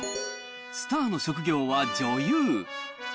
スターの職業は女優。